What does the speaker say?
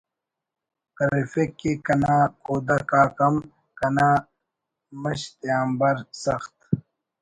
کرفک کہ کنا کودک آک ہم کنا مش تیانبار سخت